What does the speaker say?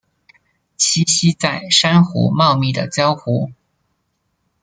栖息在珊瑚茂密的礁湖。